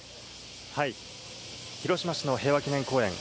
広島市の平和記念公園。